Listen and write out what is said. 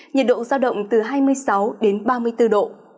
nhiệt độ giao động từ hai mươi sáu đến ba mươi bốn độ